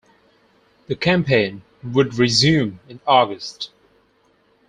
The campaign would resume in August.